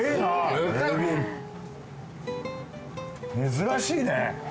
珍しいね。